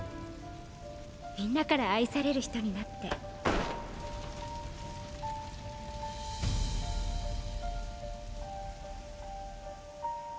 みんなから愛される人になってーー。